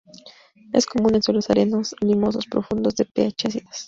Es común en suelos areno-limosos, profundos, de pH ácidos.